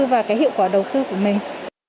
và cái hiệu quả đầu tư của mình